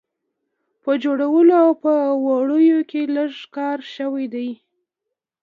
په جوړولو او په وړیو یې لږ کار شوی دی.